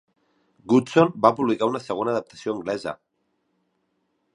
Gutsoon va publicar una segona adaptació anglesa!